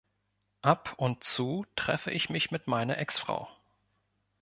Ab und zu treffe ich mich mit meiner Ex-Frau.